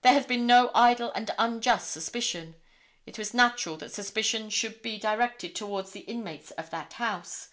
There has been no idle and unjust suspicion. It was natural that suspicion should be directed towards the inmates of that house.